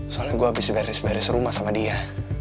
soalnya gue habis beres beres rumah sama dia